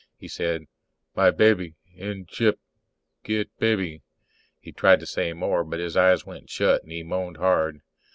He said, "My baby in ship. Get baby ..." He tried to say more but his eyes went shut and he moaned hard.